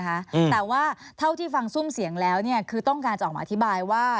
แต่ว่าเท่าที่ฟังซุ่มเสียงแล้วเนี่ยคือต้องการจะออกมาอธิบายว่า